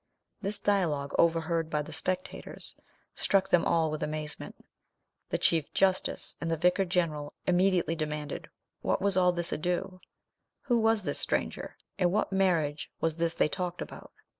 This dialogue, overheard by the spectators, struck them all with amazement. The chief justice and the vicar general immediately demanded what was all this ado, who was this stranger, and what marriage was this they talked about.